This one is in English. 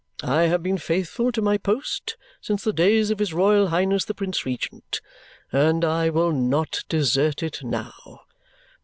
I have been faithful to my post since the days of his Royal Highness the Prince Regent, and I will not desert it now.